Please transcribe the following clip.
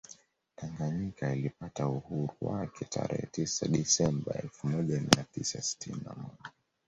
Tanganyika ilipata uhuru wake tarehe tisa Desemba elfu moja mia tisa sitini na moja